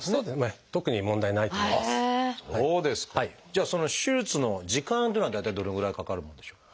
じゃあその手術の時間っていうのは大体どのぐらいかかるものでしょう？